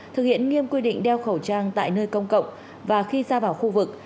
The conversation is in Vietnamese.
thực hiện nghiêm quy định đeo khẩu trang tại nơi công cộng và khi ra vào khu vực